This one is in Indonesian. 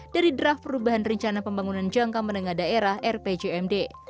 dari draft perubahan rencana pembangunan jangka menengah daerah rpjmd